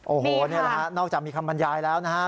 โอ้โหนี่แหละฮะนอกจากมีคำบรรยายแล้วนะฮะ